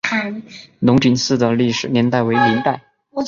龙井寺的历史年代为明代。